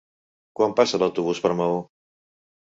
Quan passa l'autobús per Maó?